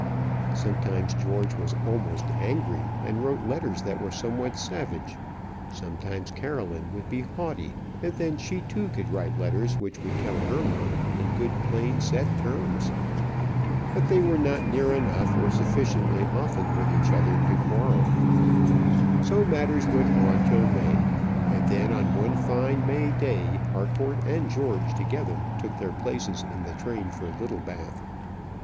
Sometimes George was almost angry, and wrote letters that were somewhat savage; sometimes Caroline would be haughty, and then she too could write letters which would tell her mind in good plain set terms. But they were not near enough, or sufficiently often with each other, to quarrel. So matters went on till May; and then, on one fine May day, Harcourt and George together took their places in the train for Littlebath.